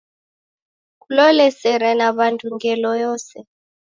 Kulole sere na wandu ngelo yose.